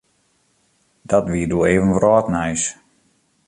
Dat wie doe even wrâldnijs.